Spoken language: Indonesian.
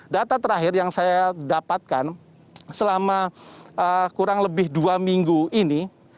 data terakhir yang saya dapatkan selama kurang lebih dua minggu ini